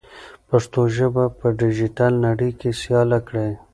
پښتو ژبه په ډیجیټل نړۍ کې سیاله کړئ.